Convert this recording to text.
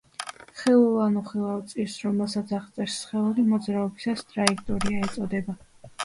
ხილულ ან უხილავ წირს, რომელსაც აღწერს სხეული მოძრაობისას, ტრაექტორია ეწოდება.